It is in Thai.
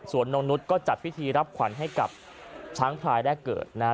ส่วนนงนุษย์ก็จัดพิธีรับขวัญให้กับช้างพลายแรกเกิดนะฮะ